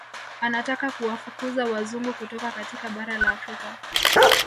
Anataka kuwafukuza Wazungu kutoka katika bara la Afrika